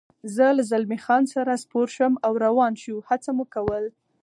زه له زلمی خان سره سپور شوم او روان شو، هڅه مو کول.